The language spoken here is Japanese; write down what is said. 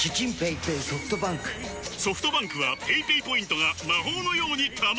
ソフトバンクはペイペイポイントが魔法のように貯まる！